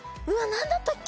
なんだったっけ？